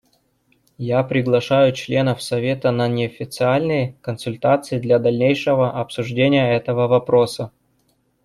Я приглашаю членов Совета на неофициальные консультации для дальнейшего обсуждения этого вопроса.